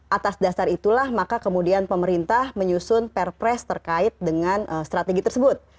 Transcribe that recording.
atas dasar itulah maka kemudian pemerintah menyusun perpres terkait dengan strategi tersebut